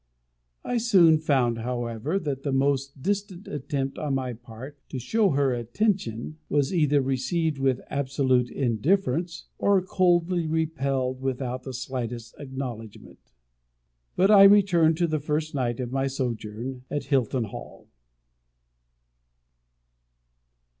I soon found, however, that the most distant attempt on my part to show her attention, was either received with absolute indifference, or coldly repelled without the slightest acknowledgment. But I return to the first night of my sojourn at Hilton Hall.